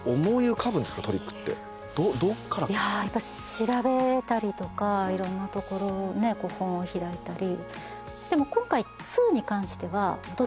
調べたりとかいろんなところを本を開いたり。